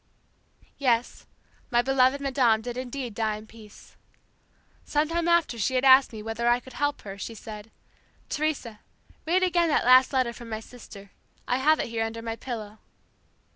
"Yes, my beloved madame did indeed die in peace. Sometime after she had asked me whether I could help her she said, 'Teresa, read again that last letter from my sister. I have it here under my pillow.'